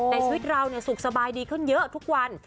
ในสวิทย์เราสุขสบายดีขึ้นเยอะทุกวัน